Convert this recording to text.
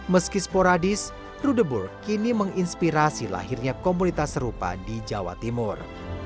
meski sporadis rudeburg kini menginspirasi lahirnya komunitas serupa di jawa timur